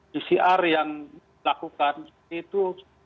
pcr yang dilakukan itu dua delapan ratus